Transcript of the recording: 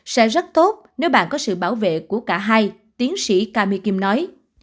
sẽ rất tốt nếu bạn có sự bảo vệ của cả hai tiến sĩ kami kim nói